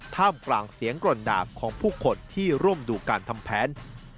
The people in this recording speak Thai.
ท่ามกลางเสียงกร่นด่าของผู้คนที่ร่วมดูการทำแผน